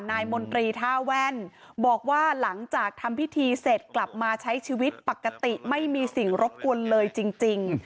มนตรีท่าแว่นบอกว่าหลังจากทำพิธีเสร็จกลับมาใช้ชีวิตปกติไม่มีสิ่งรบกวนเลยจริง